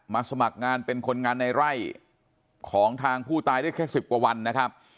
สมัครงานเป็นคนงานในไร่ของทางผู้ตายได้แค่๑๐กว่าวันนะครับ